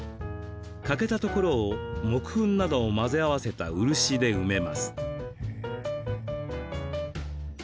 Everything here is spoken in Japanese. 欠けたところを木粉などを混ぜ合わせた漆で埋めます。